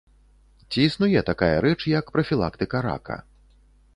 Ці існуе такая рэч, як прафілактыка рака?